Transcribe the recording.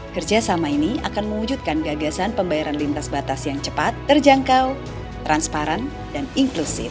kerjasama ini akan mewujudkan gagasan pembayaran lintas batas yang cepat terjangkau transparan dan inklusif